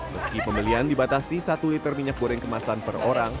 meski pembelian dibatasi satu liter minyak goreng kemasan per orang